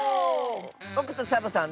ぼくとサボさん